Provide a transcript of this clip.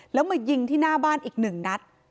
แล้วมายิงที่หน้าบ้านอีกหนึ่งนัด